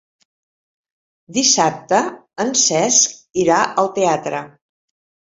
Dissabte en Cesc irà al teatre.